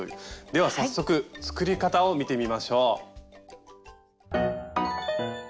では早速作り方を見てみましょう。